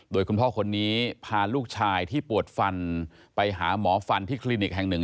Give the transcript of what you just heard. โดยคุณพ่อคนนี้พาลูกชายที่ปวดฟันไปหาหมอฟันที่คลินิกแห่งหนึ่ง